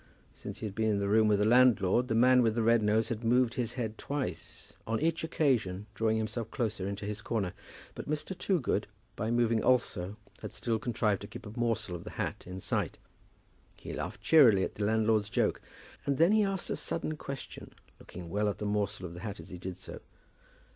Since he had been in the room with the landlord, the man with the red nose had moved his head twice, on each occasion drawing himself closer into his corner; but Mr. Toogood, by moving also, had still contrived to keep a morsel of the hat in sight. He laughed cheerily at the landlord's joke, and then he asked a sudden question, looking well at the morsel of the hat as he did so.